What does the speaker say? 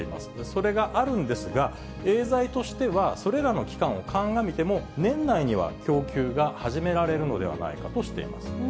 それがあるんですが、エーザイとしては、それらの期間をかんがみても、年内には供給が始められるのではないかとしています。